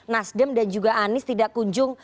nasdem dan juga anies tidak kunjung